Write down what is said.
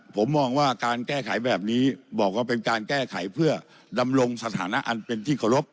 ผมมองว่าการแก้ไขแบบนี้บอกว่าเป็นการแก้ไขเพื่อดำรงสถานะอันเป็นที่เคารพ